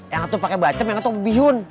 yang itu pake bacem yang itu bihun